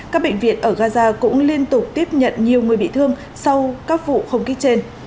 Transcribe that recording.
các bệnh viện ở gaza cũng liên tục tiếp nhận nhiều người bị thương sau các vụ không kích trên